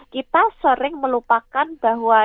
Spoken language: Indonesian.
kita sering melupakan bahwa